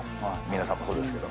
皆さんもそうですけど。